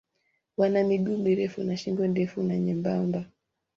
Wana miguu mirefu na shingo ndefu na nyembamba.